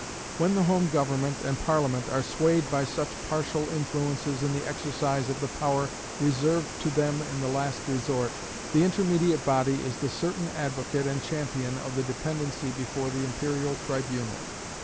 When the home government and Parliament are swayed by such partial influences in the exercise of the power reserved to them in the last resort, the intermediate body is the certain advocate and champion of the dependency before the imperial tribunal.